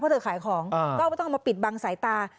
เพราะเธอขายของก็ไม่ต้องเอามาปิดบังสายตา